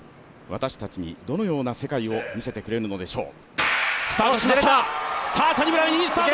私たちにどのような世界を見せてくれるのでしょう。